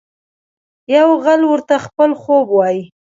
یو غل ورته خپل خوب وايي.